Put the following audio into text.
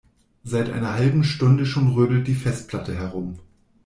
Seit einer halben Stunde schon rödelt die Festplatte herum.